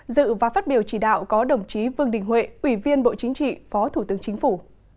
dự và phát biểu chỉ đạo có đồng chí vương đình huệ ủy viên bộ chính trị phó thủ tướng chính phủ